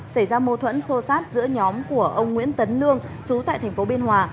xảy ra mô thuẫn sô sát giữa nhóm của ông nguyễn tấn lương chú tại tp biên hòa